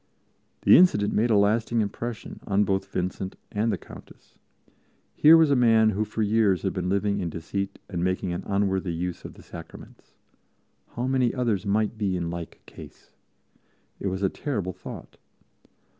The incident made a lasting impression on both Vincent and the Countess. Here was a man who for years had been living in deceit and making an unworthy use of the Sacraments. How many others might be in like case! It was a terrible thought.